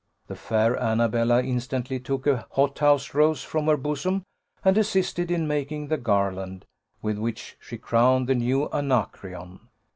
The fair Annabella instantly took a hothouse rose from her bosom, and assisted in making the garland, with which she crowned the new Anacreon.